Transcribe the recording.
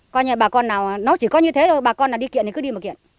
coi như là bà con nào nó chỉ có như thế thôi bà con là đi kiện thì cứ đi mà kiện